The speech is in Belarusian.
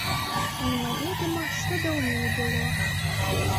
Немаведама, што даўней было.